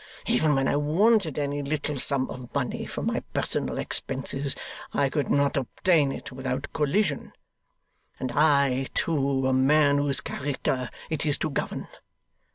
Even when I wanted any little sum of money for my personal expenses, I could not obtain it without collision and I, too, a man whose character it is to govern!